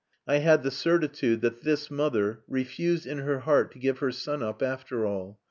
I had the certitude that this mother, refused in her heart to give her son up after all.